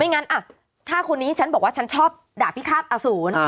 ไม่งั้นอ่ะถ้าคนนี้ฉันบอกว่าฉันชอบด่าพี่ครับอ่าศูนย์อ่า